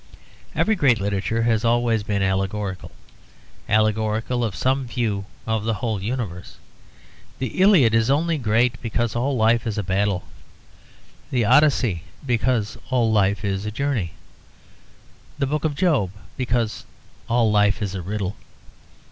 Every great literature has always been allegorical allegorical of some view of the whole universe. The 'Iliad' is only great because all life is a battle, the 'Odyssey' because all life is a journey, the Book of Job because all life is a riddle.